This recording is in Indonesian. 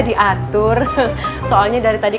diatur soalnya dari tadi